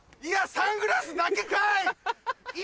サングラスだけかい！